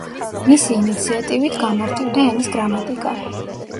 მისი ინიციატივით გამარტივდა ენის გრამატიკა.